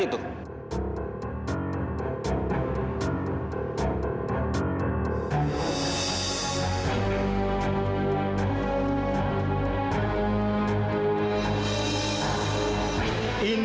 ini semuakuara dagang kamu